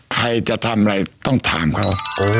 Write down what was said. ใครจะทำอะไรต้องถามเขา